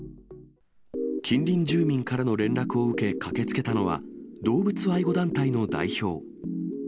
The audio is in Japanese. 近隣住民からの連絡を受け、駆けつけたのは、動物愛護団体の代表。